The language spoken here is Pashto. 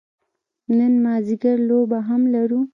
نن مازدیګر لوبه هم لرو.